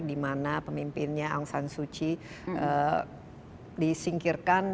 dimana pemimpinnya aung san suu kyi disingkirkan